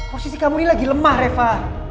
posisi kamu ini lagi lemah refa